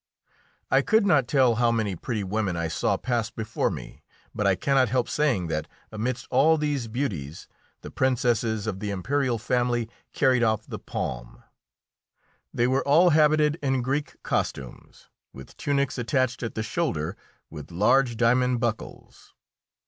I could not tell how many pretty women I saw pass before me, but I cannot help saying that, amidst all these beauties, the Princesses of the imperial family carried off the palm. They were all habited in Greek costumes, with tunics attached at the shoulder with large diamond buckles.